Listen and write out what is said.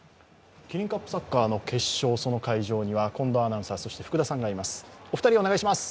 キリンカップサッカーの決勝、その会場には近藤アナウンサー、福田さんがいます。